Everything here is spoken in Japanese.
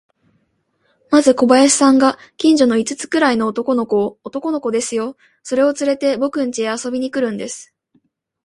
まず小林さんが、近所の五つくらいの男の子を、男の子ですよ、それをつれて、ぼくんちへ遊びに来るんです。